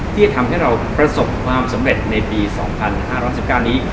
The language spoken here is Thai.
ที่ทำให้เราประสบความสำเร็จในปี๒๕๑๙นี้